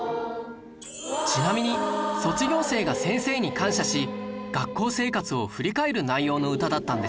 ちなみに卒業生が先生に感謝し学校生活を振り返る内容の歌だったんですよ